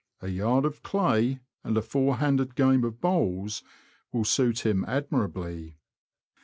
a yard of clay, and a four handed game of bowls, will suit him admirably.